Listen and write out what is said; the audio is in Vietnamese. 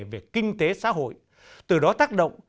về kinh tế xã hội từ đó tác động